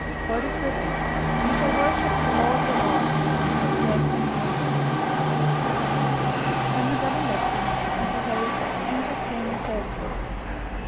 For it is written, 'You shall worship the Lord your God, and him only shall you serve.'"{Deuteronomy 6:13} 004:011 Then the devil left him, and behold, angels came and served him.